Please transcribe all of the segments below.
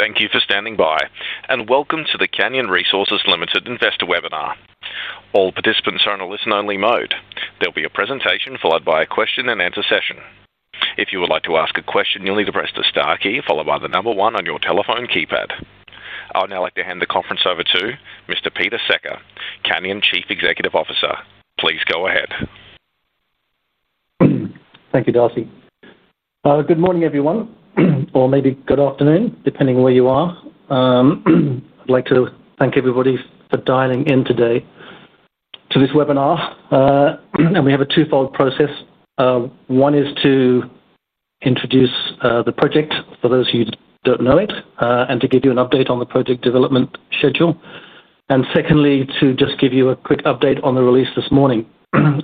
Thank you for standing by and welcome to the Canyon Resources Limited Investor Webinar. All participants are in a listen-only mode. There will be a presentation followed by a question and answer session. If you would like to ask a question, you'll need to press the star key followed by the number one on your telephone keypad. I would now like to hand the conference over to Mr. Peter Secca, Canyon Chief Executive Officer. Please go ahead. Thank you, Darcy. Good morning, everyone, or maybe good afternoon, depending on where you are. I'd like to thank everybody for dialing in today to this webinar. We have a two-fold process. One is to introduce the project for those of you who don't know it and to give you an update on the project development schedule. Secondly, to just give you a quick update on the release this morning,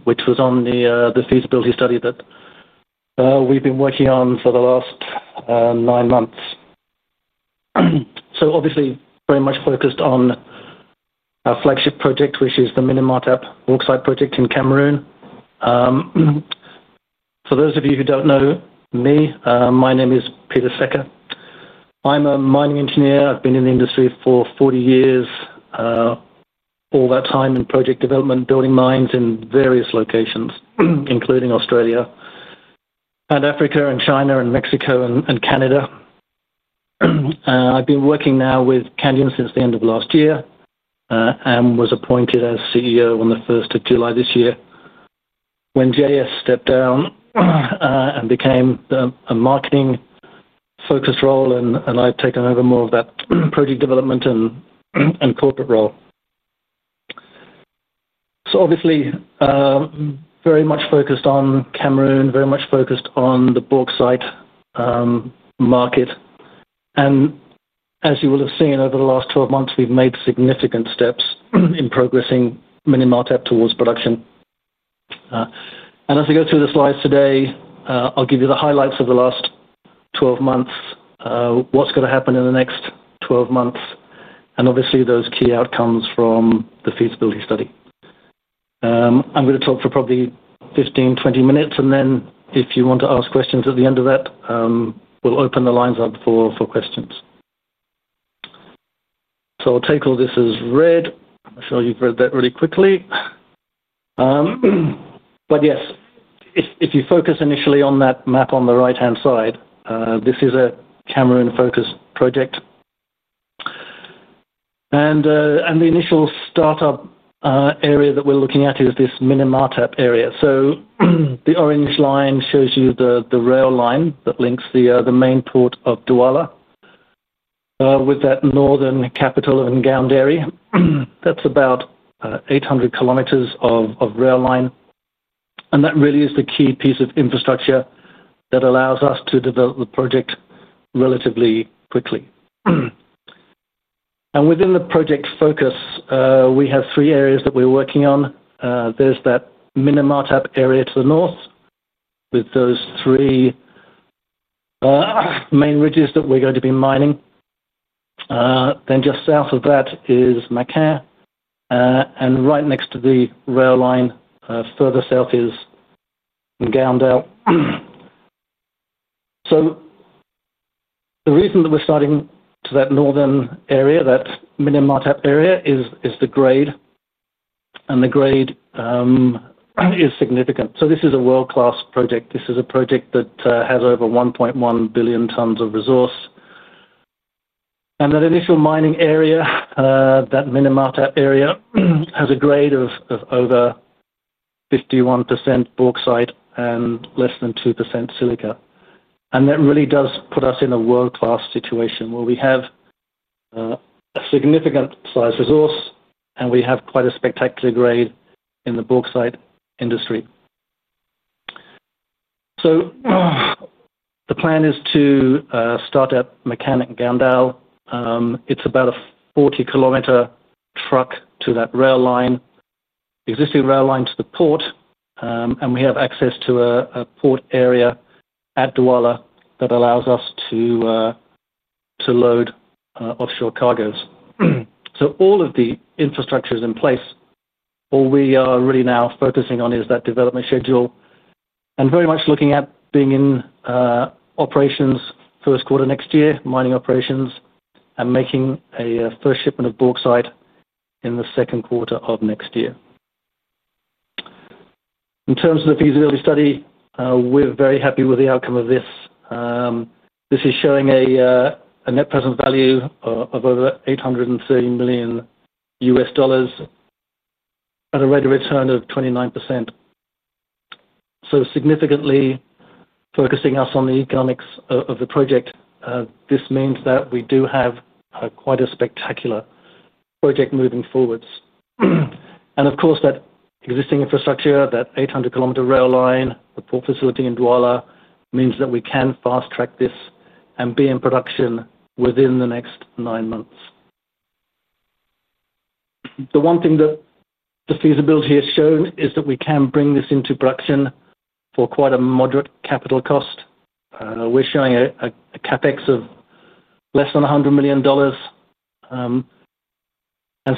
which was on the feasibility study that we've been working on for the last nine months. Obviously, very much focused on our flagship project, which is the Minim Martap Bauxite Project in Cameroon. For those of you who don't know me, my name is Peter Secca. I'm a mining engineer. I've been in the industry for 40 years, all that time in project development, building mines in various locations, including Australia, Africa, China, Mexico, and Canada. I've been working now with Canyon Resources Limited since the end of last year and was appointed as CEO on the 1st of July this year. When JS stepped down and became a marketing focus role, I've taken over more of that project development and corporate role. Obviously, very much focused on Cameroon, very much focused on the bauxite market. As you will have seen over the last 12 months, we've made significant steps in progressing Minim Martap towards production. As we go through the slides today, I'll give you the highlights of the last 12 months, what's going to happen in the next 12 months, and those key outcomes from the feasibility study. I'm going to talk for probably 15 or 20 minutes, and if you want to ask questions at the end of that, we'll open the lines up for questions. I'll tackle this as read. I'm sure you've read that really quickly. If you focus initially on that map on the right-hand side, this is a Cameroon-focused project. The initial startup area that we're looking at is this Minim Martap area. The orange line shows you the rail line that links the main port of Douala with that northern capital of Ngaoundéré. That's about 800 kilometers of rail line. That really is the key piece of infrastructure that allows us to develop the project relatively quickly. Within the project focus, we have three areas that we're working on. There's that Minim Martap area to the north with those three main ridges that we're going to be mining. Just south of that is Makahe. Right next to the rail line, further south, is Ngandae. The reason that we're starting to that northern area, that Minim Martap area, is the grade. The grade is significant. This is a world-class project. This is a project that has over 1.1 billion tons of resource. That initial mining area, that Minim Martap area, has a grade of over 51% bauxite and less than 2% #Silica. That really does put us in a world-class situation where we have a significant size resource and we have quite a spectacular grade in the bauxite industry. The plan is to start at Makahe and Ngandae. It's about a 40-kilometer truck to that rail line, the existing rail line to the port. We have access to a port area at Douala that allows us to load offshore cargos. All of the infrastructure is in place. All we are really now focusing on is that development schedule and very much looking at being in operations first quarter next year, mining operations, and making a first shipment of bauxite in the second quarter of next year. In terms of the feasibility study, we're very happy with the outcome of this. This is showing a net present value of over $830 million U.S. dollars at a rate of return of 29%. Significantly focusing us on the economics of the project, this means that we do have quite a spectacular project moving forwards. Of course, that existing infrastructure, that 800-kilometer rail line, the port facility in Douala means that we can fast-track this and be in production within the next nine months. The one thing that the feasibility has shown is that we can bring this into production for quite a moderate capital cost. We're showing a CapEx of less than $100 million.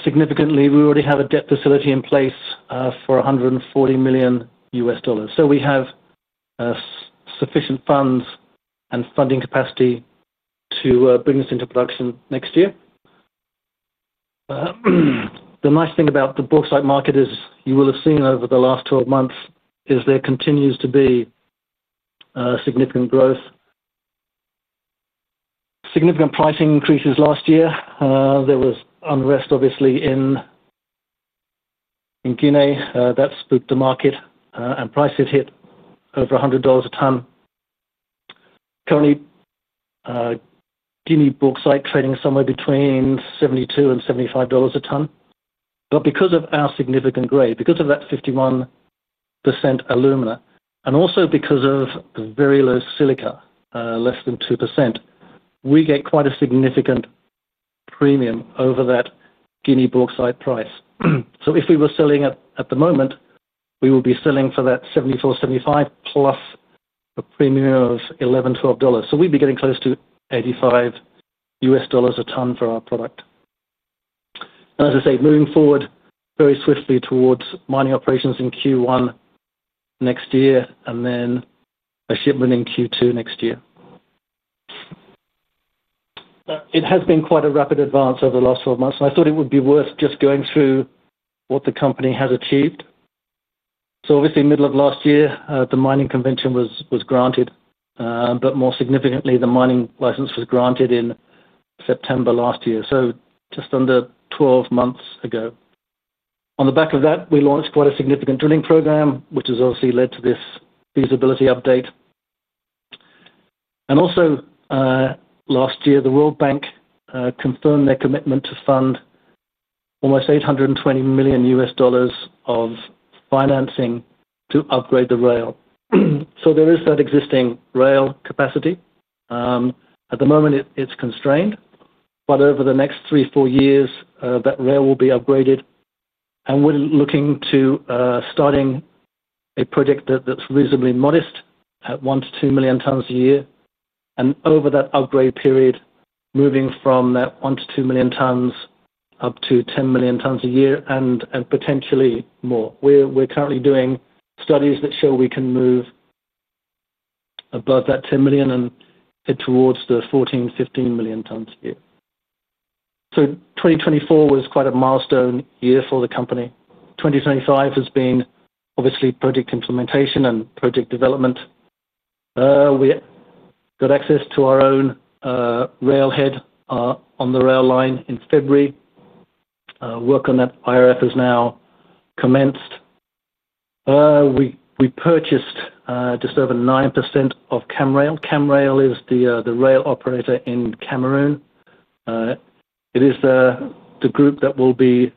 Significantly, we already have a debt facility in place for $140 million U.S. dollars. We have sufficient funds and funding capacity to bring this into production next year. The nice thing about the bauxite market you will have seen over the last 12 months is there continues to be significant growth. Significant pricing increases last year. There was unrest obviously in Guinea. That spooked the market and prices hit over $100 a ton. Currently, Guinea bauxite trading somewhere between $72 and $75 a ton. Because of our significant grade, because of that 51% #Alumina and also because of very low #Silica, less than 2%, we get quite a significant premium over that Guinea bauxite price. If we were selling at the moment, we will be selling for that $74, $75 plus a premium of $11, $12. We'd be getting close to $85 U.S. dollars a ton for our product. As I say, moving forward very swiftly towards mining operations in Q1 next year and then a shipment in Q2 next year. It has been quite a rapid advance over the last 12 months, and I thought it would be worth just going through what the company has achieved. Obviously, middle of last year, the mining convention was granted, but more significantly, the mining license was granted in September last year, just under 12 months ago. On the back of that, we launched quite a significant drilling program, which has obviously led to this feasibility update. Also last year, the World Bank confirmed their commitment to fund almost $820 million U.S. dollars of financing to upgrade the rail. There is that existing rail capacity. At the moment, it's constrained. Over the next three, four years, that rail will be upgraded. We're looking to start a project that's reasonably modest at 1- 2 million tons a year. Over that upgrade period, moving from that 1-2 million tons up to 10 million tons a year and potentially more. We're currently doing studies that show we can move above that 10 million and head towards the 14, 15 million tons a year. 2024 was quite a milestone year for the company. 2025 has been obviously project implementation and project development. We got access to our own railhead on the rail line in February. Work on that IRF has now commenced. We purchased just over 9% of CamRail. CamRail is the rail operator in Cameroon. It is the group that will be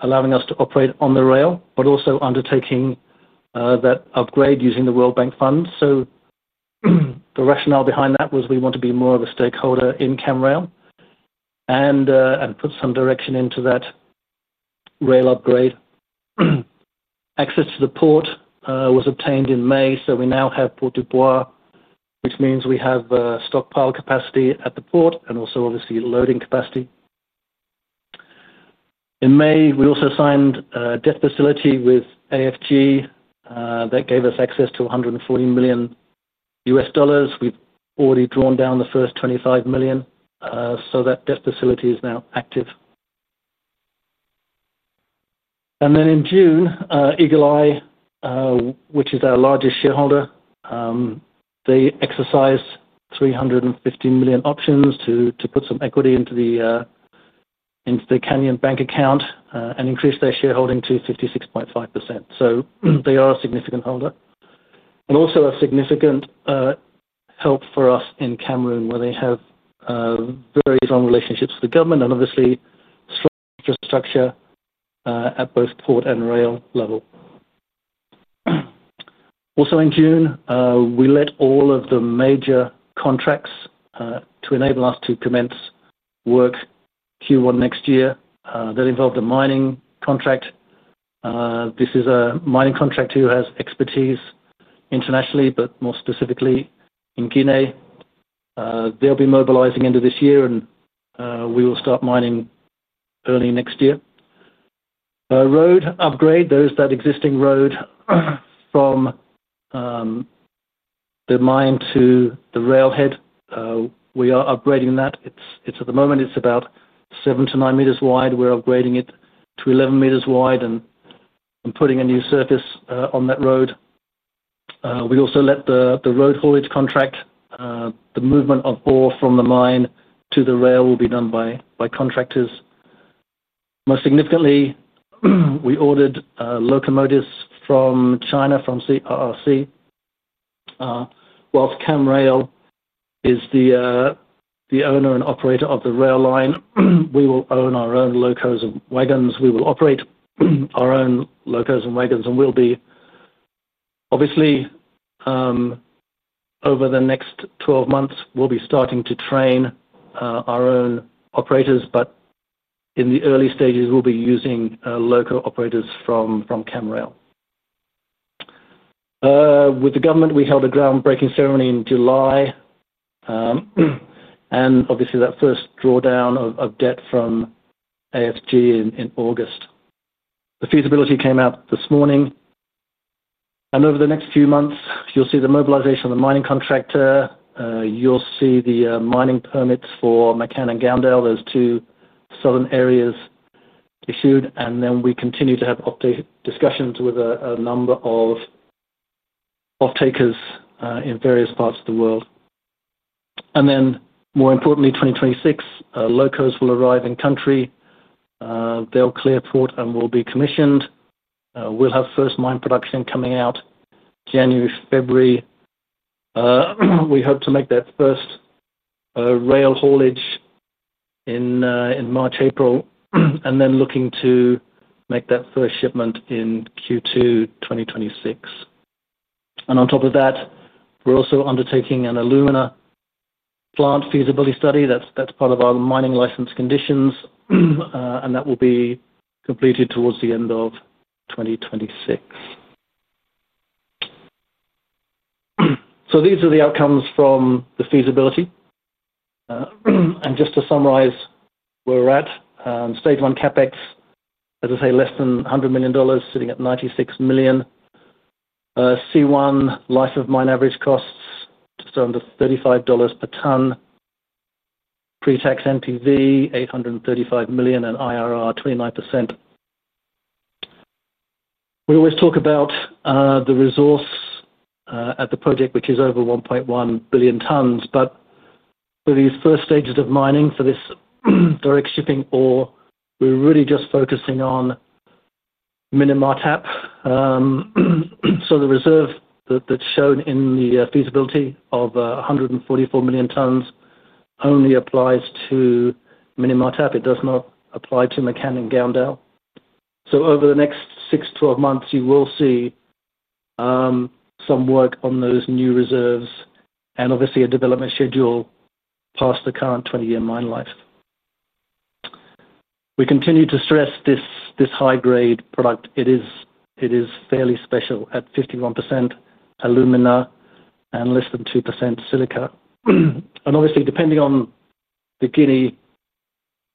allowing us to operate on the rail, but also undertaking that upgrade using the World Bank funds. The rationale behind that was we want to be more of a stakeholder in CamRail and put some direction into that rail upgrade. Access to the port was obtained in May, so we now have Port du Point, which means we have stockpile capacity at the port and also obviously loading capacity. In May, we also signed a debt facility with AFG that gave us access to $140 million U.S. dollars. We've already drawn down the first $25 million, so that debt facility is now active. In June, Eagle Eye, which is our largest shareholder, exercised 350 million options to put some equity into the Canyon Bank account and increased their shareholding to 56.5%. They are a significant holder and also a significant help for us in Cameroon where they have very strong relationships with the government and obviously strong infrastructure at both port and rail level. In June, we led all of the major contracts to enable us to commence work Q1 next year. That involved a mining contract. This is a mining contractor who has expertise internationally, but more specifically in Guinea. They'll be mobilizing into this year, and we will start mining early next year. Road upgrade, there is that existing road from the mine to the railhead. We are upgrading that. At the moment, it's about 7-9 meters wide. We're upgrading it to 11 meters wide and putting a new surface on that road. We also let the road haulage contract. The movement of ore from the mine to the rail will be done by contractors. Most significantly, we ordered locomotives from China, from CRRC. While CamRail is the owner and operator of the rail line, we will own our own locos and wagons. We will operate our own locos and wagons, and over the next 12 months, we'll be starting to train our own operators, but in the early stages, we'll be using loco operators from CamRail. With the government, we held a groundbreaking ceremony in July and that first drawdown of debt from AFG in August. The feasibility came out this morning. Over the next few months, you'll see the mobilization of the mining contractor. You'll see the mining permits for Makahe and Ngandae, those two southern areas, issued. We continue to have discussions with a number of off-takers in various parts of the world. More importantly, in 2026, locos will arrive in country. They'll clear port and will be commissioned. We'll have first mine production coming out January, February. We hope to make that first rail haulage in March, April, and looking to make that first shipment in Q2 2026. On top of that, we're also undertaking an #Alumina plant feasibility study. That's part of our mining license conditions, and that will be completed towards the end of 2026. These are the outcomes from the feasibility. Just to summarize where we're at, stage one CapEx, as I say, less than $100 million, sitting at $96 million. C1, life of mine average costs, just under $35 per ton. Pre-tax NPV, $835 million, and IRR, 29%. We always talk about the resource at the project, which is over 1.1 billion tonnes, but for these first stages of mining, for this direct shipping ore, we're really just focusing on Minim Martap. The reserve that's shown in the feasibility of 144 million tonnes only applies to Minim Martap. It does not apply to Makahe and Ngandae. Over the next 6-12 months, you will see some work on those new reserves and obviously a development schedule past the current 20-year mine life. We continue to stress this high-grade product. It is fairly special at 51% #Alumina and less than 2% #Silica. Obviously, depending on the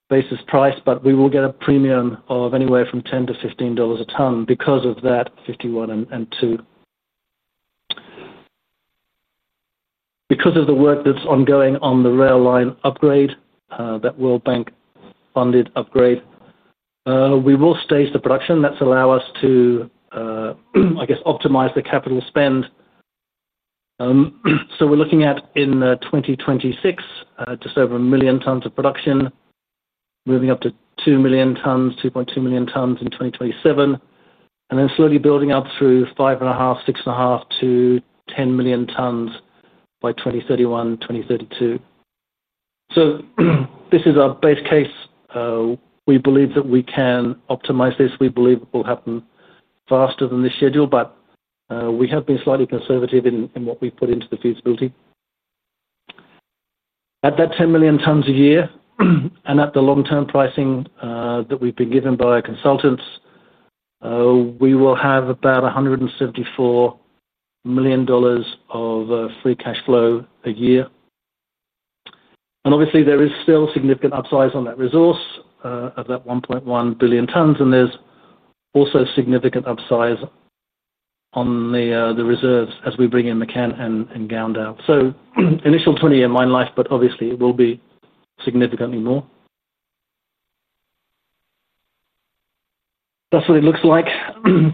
Guinea basis price, we will get a premium of anywhere from $10-$15 a tonne because of that 51 and 2. Because of the work that's ongoing on the rail line upgrade, that World Bank-funded upgrade, we will stage the production. That's allowed us to, I guess, optimize the capital spend. We're looking at in 2026, just over a million tonnes of production, moving up to 2 million tonnes, 2.2 million tonnes in 2027, and then slowly building up through 5.5, 6.5 to 10 million tonnes by 2031, 2032. This is our base case. We believe that we can optimize this. We believe it will happen faster than the schedule, but we have been slightly conservative in what we've put into the feasibility. At that 10 million tonnes a year, and at the long-term pricing that we've been given by our consultants, we will have about $174 million of free cash flow a year. Obviously, there is still significant upsize on that resource of that 1.1 billion tonnes, and there's also significant upsize on the reserves as we bring in Makahe and Ngandae. Initial 20-year mine life, but obviously, it will be significantly more. That's what it looks like.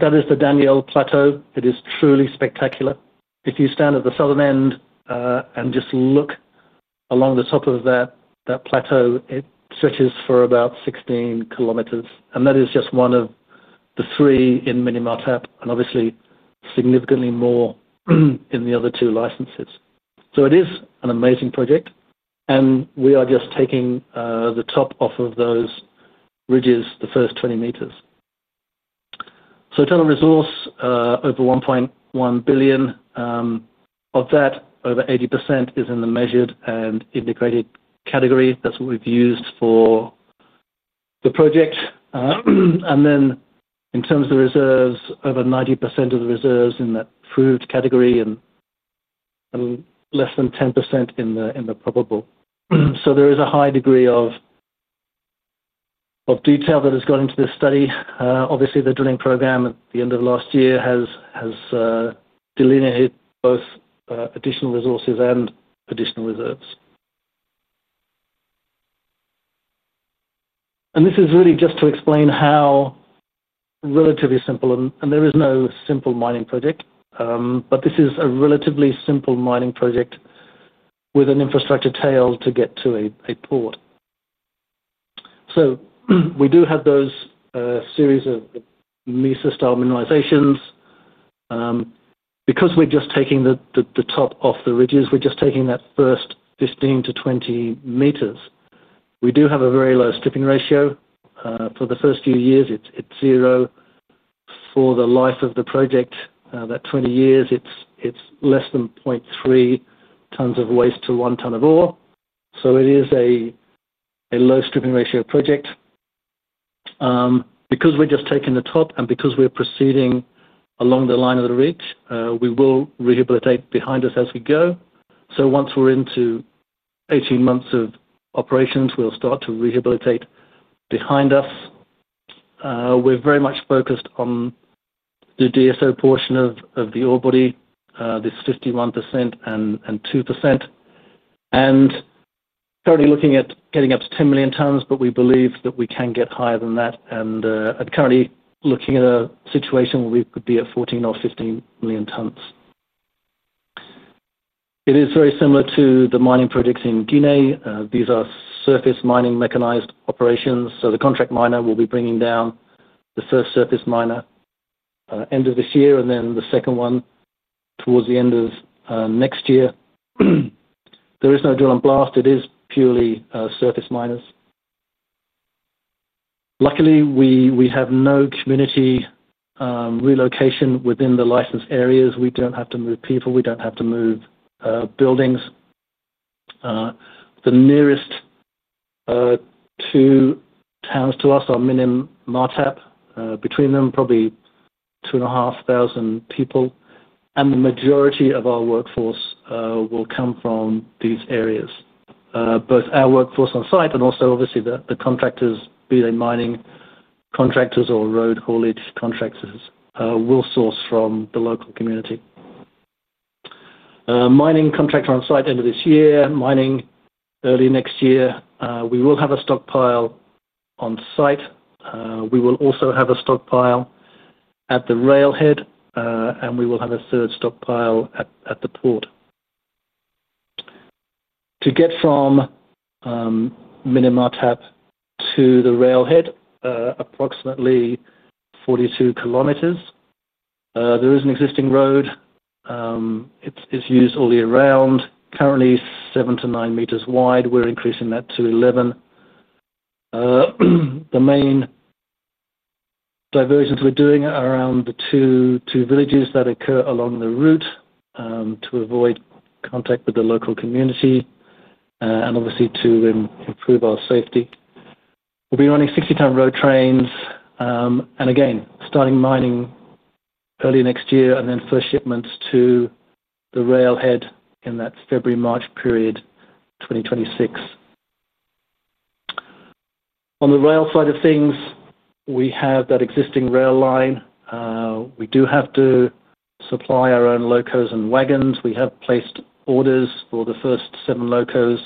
That is the Danielle Plateau. It is truly spectacular. If you stand at the southern end and just look along the top of that plateau, it stretches for about 16 kilometers. That is just one of the three in Minim Martap and obviously significantly more in the other two licenses. It is an amazing project. We are just taking the top off of those ridges, the first 20 meters. Total resource, over 1.1 billion of that, over 80% is in the measured and indicated category. That's what we've used for the project. In terms of the reserves, over 90% of the reserves in that approved category and less than 10% in the probable. There is a high degree of detail that has gone into this study. Obviously, the drilling program at the end of last year has delineated both additional resources and additional reserves. This is really just to explain how relatively simple, and there is no simple mining project, but this is a relatively simple mining project with an infrastructure tail to get to a port. We do have those series of mesa-style mineralizations. Because we're just taking the top off the ridges, we're just taking that first 15-20 meters. We do have a very low stripping ratio. For the first few years, it's zero. For the life of the project, that 20 years, it's less than 0.3 tonnes of waste to 1 tonne of ore. It is a low stripping ratio project. Because we're just taking the top and because we're proceeding along the line of the ridge, we will rehabilitate behind us as we go. Once we're into 18 months of operations, we'll start to rehabilitate behind us. We're very much focused on the DSO portion of the ore body, this 51% and 2%. Currently looking at getting up to 10 million tonnes, but we believe that we can get higher than that and currently looking at a situation where we could be at 14 or 15 million tonnes. It is very similar to the mining projects in Guinea. These are surface mining mechanized operations. The contract miner will be bringing down the first surface miner end of this year and then the second one towards the end of next year. There is no drill and blast. It is purely surface miners. Luckily, we have no community relocation within the licensed areas. We don't have to move people. We don't have to move buildings. The nearest two towns to us are Minim Martap. Between them, probably two and a half thousand people. The majority of our workforce will come from these areas. Both our workforce on site and also obviously the contractors, be they mining contractors or road haulage contractors, will source from the local community. Mining contractor on site end of this year, mining early next year. We will have a stockpile on site. We will also have a stockpile at the railhead, and we will have a third stockpile at the port. To get from Minim Martap to the railhead, approximately 42 kilometers, there is an existing road. It's used all year round. Currently, 7-9 meters wide. We're increasing that to 11. The main diversions we're doing are around the two villages that occur along the route to avoid contact with the local community and obviously to improve our safety. We'll be running 60-tonne road trains and, again, starting mining early next year and then first shipments to the railhead in that February-March period 2026. On the rail side of things, we have that existing rail line. We do have to supply our own locos and wagons. We have placed orders for the first seven locos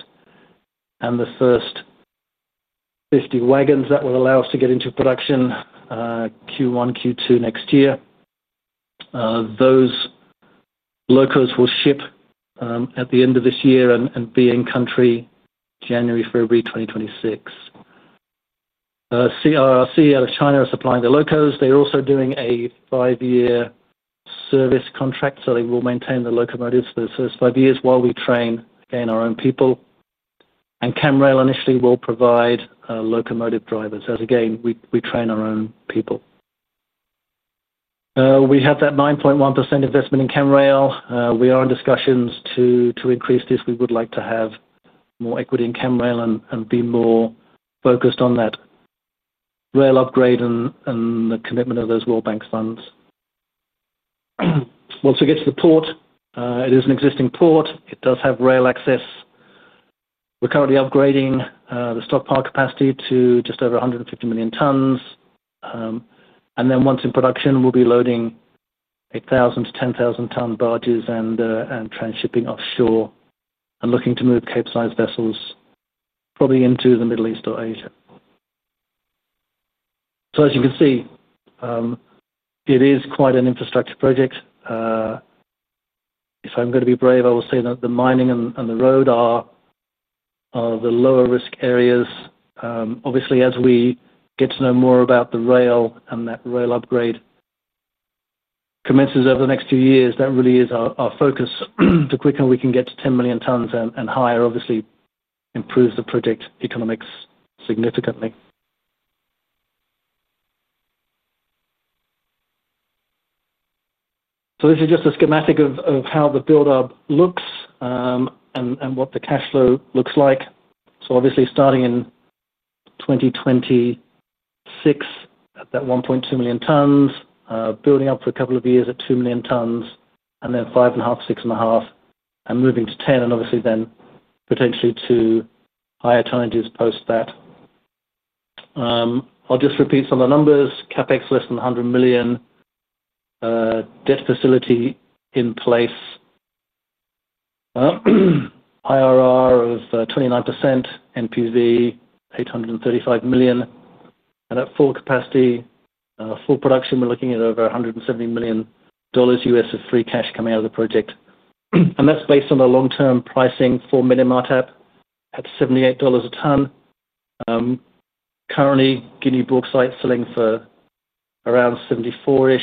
and the first 50 wagons that will allow us to get into production Q1, Q2 next year. Those locos will ship at the end of this year and be in country January-February 2026. CRRC out of China are supplying the locos. They're also doing a five-year service contract, so they will maintain the locomotives for the first five years while we train, again, our own people. CamRail initially will provide locomotive drivers as, again, we train our own people. We have that 9.1% investment in CamRail. We are in discussions to increase this. We would like to have more equity in CamRail and be more focused on that rail upgrade and the commitment of those World Bank funds. Once we get to the port, it is an existing port. It does have rail access. We're currently upgrading the stockpile capacity to just over 150 million tonnes. Once in production, we'll be loading 8,000-10,000-tonne barges and transshipping offshore and looking to move cape-sized vessels probably into the Middle East or Asia. It is quite an infrastructure project. If I'm going to be brave, I will say that the mining and the road are the lower-risk areas. Obviously, as we get to know more about the rail and that rail upgrade commences over the next few years, that really is our focus. The quicker we can get to 10 million tonnes and higher obviously improves the project economics significantly. This is just a schematic of how the build-up looks and what the cash flow looks like. Obviously, starting in 2026, at that 1.2 million tonnes, building up for a couple of years at 2 million tonnes, and then 5.5, 6.5, and moving to 10, and then potentially to higher tonnages post that. I'll just repeat some of the numbers: CapEx less than $100 million, debt facility in place, IRR of 29%, NPV $835 million, and at full capacity, full production, we're looking at over $170 million US of free cash coming out of the project. That's based on the long-term pricing for Minim Martap at $78 a tonne. Currently, Guinea bauxite is selling for around $74.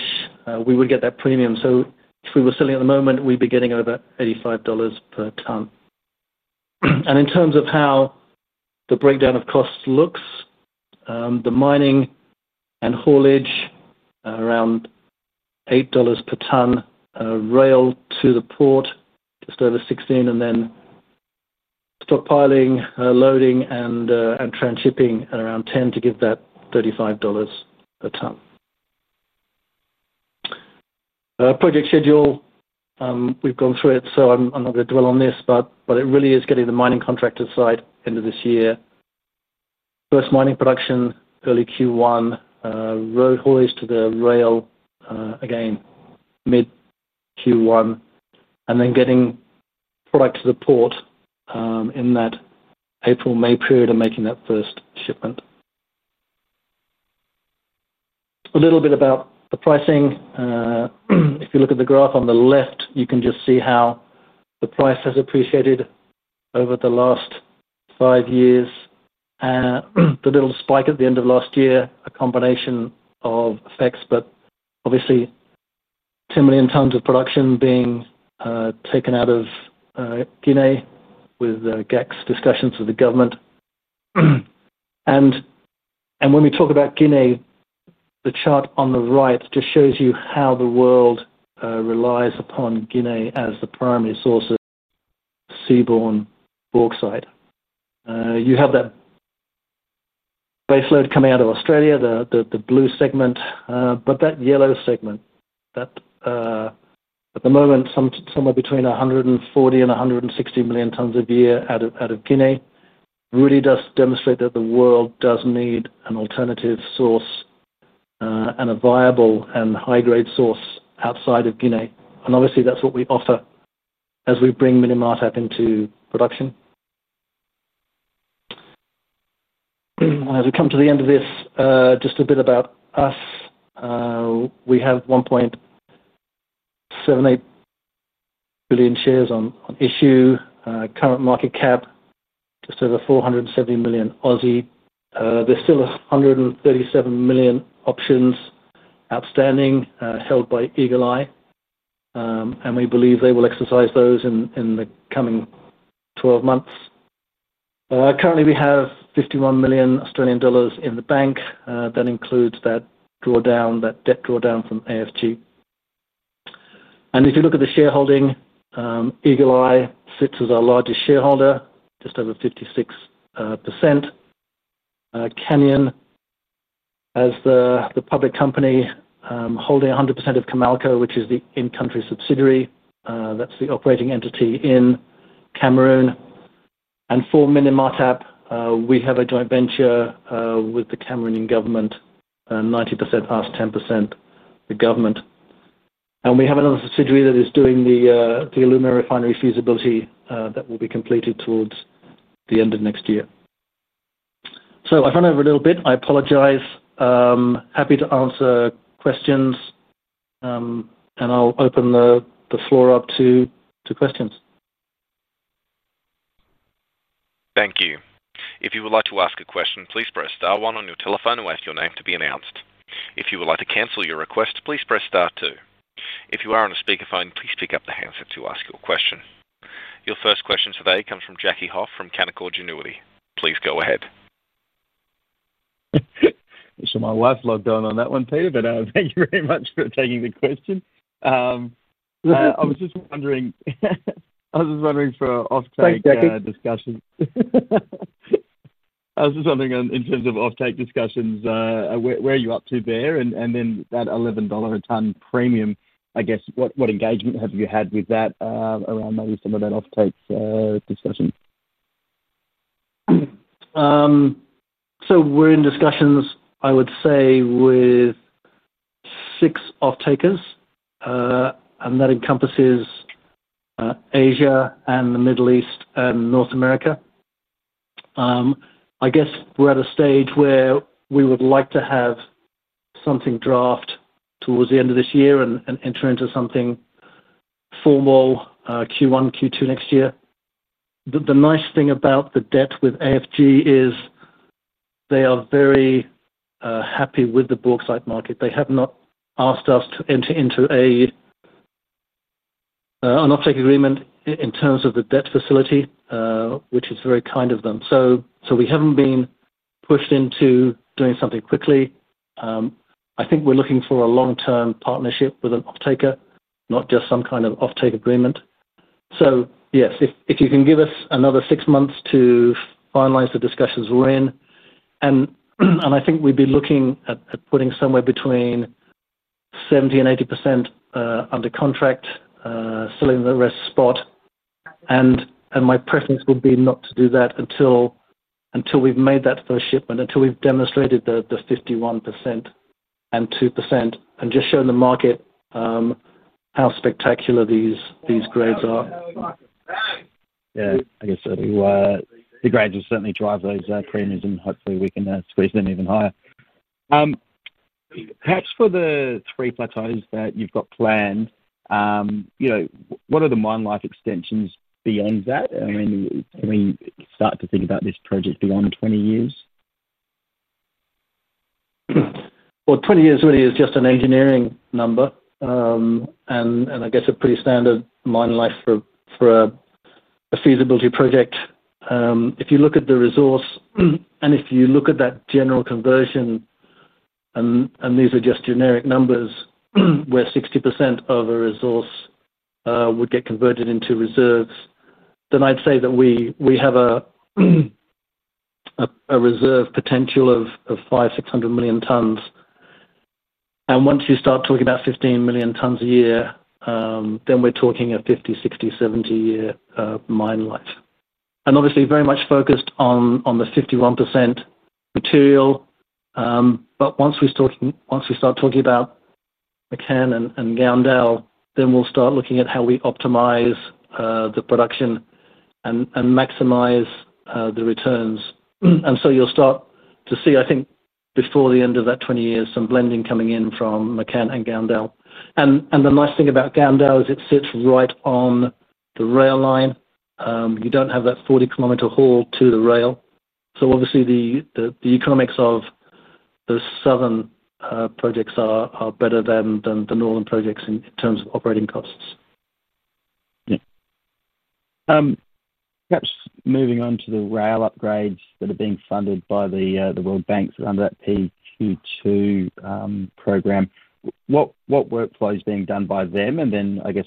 We would get that premium. If we were selling at the moment, we'd be getting over $85 per tonne. In terms of how the breakdown of costs looks, the mining and haulage are around $8 per tonne, rail to the port just over $16, and then stockpiling, loading, and transshipping at around $10 to give that $35 per tonne. Project schedule, we've gone through it, so I'm not going to dwell on this, but it really is getting the mining contractor site end of this year. First mining production, early Q1, road haulage to the rail again mid-Q1, and then getting product to the port in that April-May period and making that first shipment. A little bit about the pricing. If you look at the graph on the left, you can just see how the price has appreciated over the last five years. The little spike at the end of last year, a combination of effects, but obviously, 10 million tonnes of production being taken out of Guinea with GAC's discussions with the government. When we talk about Guinea, the chart on the right just shows you how the world relies upon Guinea as the primary source of seaborne bauxite. You have that base load coming out of Australia, the blue segment, but that yellow segment, at the moment, somewhere between 140 and 160 million tonnes a year out of Guinea, really does demonstrate that the world does need an alternative source and a viable and high-grade source outside of Guinea. Obviously, that's what we offer as we bring Minim Martap into production. As we come to the end of this, just a bit about us. We have 1.78 billion shares on issue, current market cap just over 470 million Aussie. There's still 137 million options outstanding held by Eagle Eye, and we believe they will exercise those in the coming 12 months. Currently, we have $51 million Australian dollars in the bank. That includes that drawdown, that debt drawdown from AFG. If you look at the shareholding, Eagle Eye sits as our largest shareholder, just over 56%. Canyon, as the public company, holding 100% of Camalco, which is the in-country subsidiary. That's the operating entity in Cameroon. For Minim Martap, we have a joint venture with the Cameroonian government, 90% past 10% the government. We have another subsidiary that is doing the #Alumina refinery feasibility that will be completed towards the end of next year. I've run over a little bit. I apologize. Happy to answer questions, and I'll open the floor up to questions. Thank you. If you would like to ask a question, please press star one on your telephone and wait for your name to be announced. If you would like to cancel your request, please press star two. If you are on a speaker phone, please pick up the handset to ask your question. Your first question today comes from Jackie Hoff from Canaccord Genuity. Please go ahead. My wife logged on on that one, Peter, but thank you very much for taking the question. I was just wondering for off-take. Thanks, Jackie. I was just wondering in terms of off-take discussions, where are you up to there? And then that $11 a tonne premium, I guess, what engagement have you had with that around maybe some of that off-take discussion? We're in discussions, I would say, with six off-takers, and that encompasses Asia, the Middle East, and North America. I guess we're at a stage where we would like to have something draft towards the end of this year and enter into something formal Q1 or Q2 next year. The nice thing about the debt with AFG is they are very happy with the bauxite market. They have not asked us to enter into an off-take agreement in terms of the debt facility, which is very kind of them. We haven't been pushed into doing something quickly. I think we're looking for a long-term partnership with an off-taker, not just some kind of off-take agreement. If you can give us another six months to finalize the discussions we're in, I think we'd be looking at putting somewhere between 70% and 80% under contract, selling the rest spot. My preference would be not to do that until we've made that first shipment, until we've demonstrated the 51% and 2% and just shown the market how spectacular these grades are. I guess the grades will certainly drive those premiums, and hopefully, we can squeeze them even higher. Perhaps for the three plateaus that you've got planned, what are the mine life extensions beyond that? I mean, are we starting to think about this project beyond 20 years? Twenty years really is just an engineering number. I guess a pretty standard mine life for a feasibility study. If you look at the resource and if you look at that general conversion, and these are just generic numbers where 60% of a resource would get converted into reserves, then I'd say that we have a reserve potential of 500, 600 million tonnes. Once you start talking about 15 million tonnes a year, we're talking a 50, 60, 70-year mine life. Obviously, very much focused on the 51% material. Once we start talking about Makahe and Ngandae, we'll start looking at how we optimize the production and maximize the returns. You'll start to see, I think, before the end of that 20 years, some blending coming in from Makahe and Ngandae. The nice thing about Ngandae is it sits right on the rail line. You don't have that 40-kilometer haul to the rail. Obviously, the economics of those southern projects are better than the northern projects in terms of operating costs. Perhaps moving on to the rail upgrades that are being funded by the World Bank under that PQ2 program, what workflow is being done by them? I guess,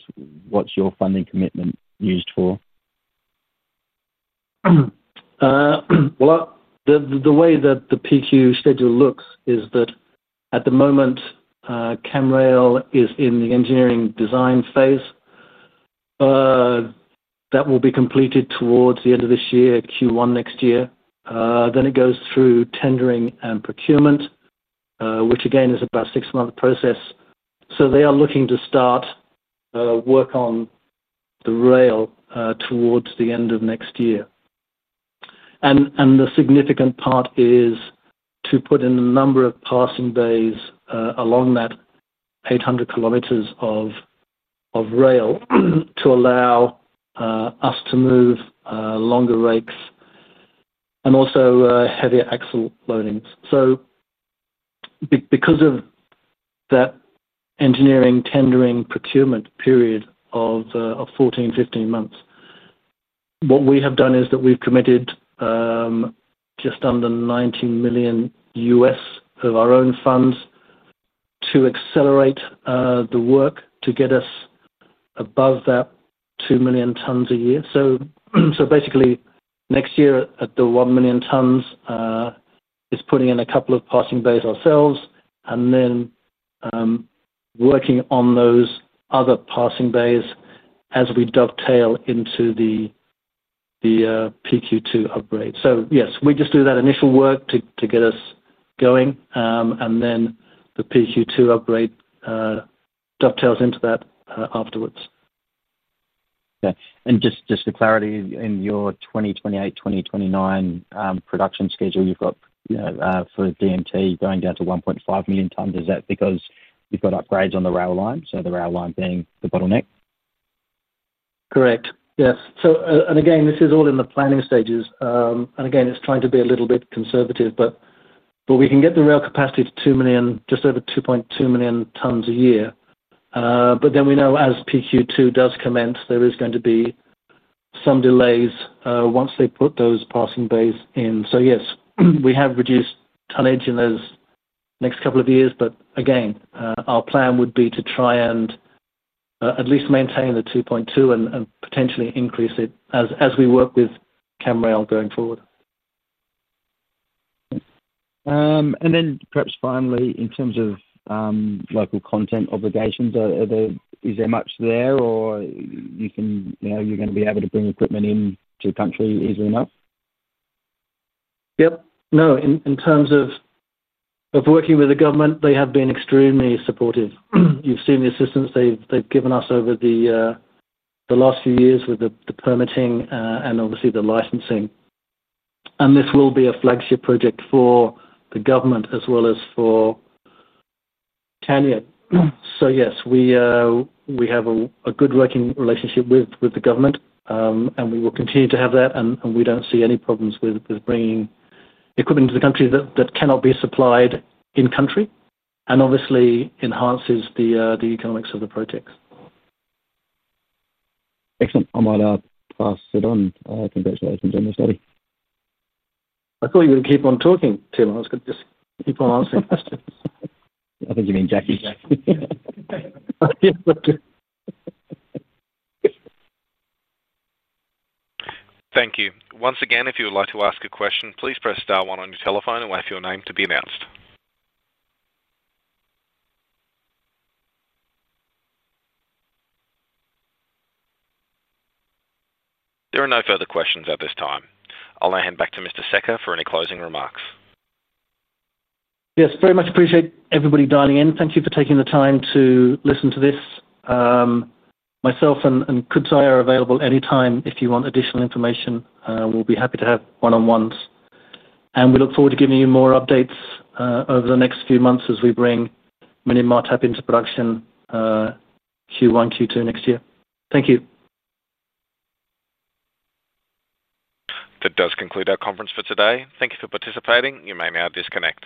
what's your funding commitment used for? The way that the PQ schedule looks is that at the moment, CamRail is in the engineering design phase. That will be completed towards the end of this year, Q1 next year. It goes through tendering and procurement, which again is about a six-month process. They are looking to start work on the rail towards the end of next year. The significant part is to put in a number of passing bays along that 800 kilometers of rail to allow us to move longer rakes and also heavier axle loadings. Because of that engineering, tendering, procurement period of 14, 15 months, what we have done is that we've committed just under $90 million of our own funds to accelerate the work to get us above that 2 million tonnes a year. Basically, next year at the 1 million tonnes, it's putting in a couple of passing bays ourselves and then working on those other passing bays as we dovetail into the PQ2 upgrade. We just do that initial work to get us going, and then the PQ2 upgrade dovetails into that afterwards. Okay. Just for clarity, in your 2028-2029 production schedule, you've got sort of DNT going down to 1.5 million tonnes. Is that because you've got upgrades on the rail line? The rail line being the bottleneck? Correct. Yes. This is all in the planning stages. It's trying to be a little bit conservative, but we can get the rail capacity to 2 million, just over 2.2 million tonnes a year. We know as PQ2 does commence, there is going to be some delays once they put those passing bays in. Yes, we have reduced tonnage in those next couple of years, but our plan would be to try and at least maintain the 2.2 and potentially increase it as we work with CamRail going forward. Perhaps finally, in terms of local content obligations, is there much there or you're going to be able to bring equipment into country easily enough? No, in terms of working with the government, they have been extremely supportive. You've seen the assistance they've given us over the last few years with the permitting and obviously the licensing. This will be a flagship project for the government as well as for Canyon Resources Limited. Yes, we have a good working relationship with the government, and we will continue to have that. We don't see any problems with bringing equipment into the country that cannot be supplied in country. Obviously, it enhances the economics of the projects. Excellent. I might ask you to run. Congratulations on this, Eddie. I thought you were going to keep on talking, Tim. I was going to just keep on asking questions. I think you mean Jackie. Yeah. Thank you. Once again, if you would like to ask a question, please press star one on your telephone and wait for your name to be announced. There are no further questions at this time. I'll now hand back to Mr. Secca for any closing remarks. Yes, very much appreciate everybody dialing in. Thank you for taking the time to listen to this. Myself and Kutsai are available anytime if you want additional information. We'll be happy to have one-on-ones. We look forward to giving you more updates over the next few months as we bring Minim Martap into production Q1, Q2 next year. Thank you. That does conclude our conference for today. Thank you for participating. You may now disconnect.